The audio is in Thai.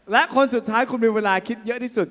และคนสุดท้ายคุณมีเวลาคิดเยอะที่สุด